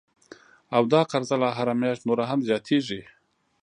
او دا قرضه لا هره میاشت نوره هم زیاتیږي